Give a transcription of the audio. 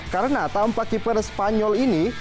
karena tampak keeper spanyol ini